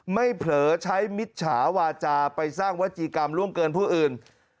เผลอใช้มิจฉาาจาไปสร้างวัจจีกรรมล่วงเกินผู้อื่น